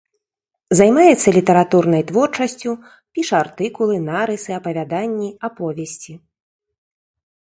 Займаецца літаратурнай творчасцю, піша артыкулы, нарысы, апавяданні, аповесці.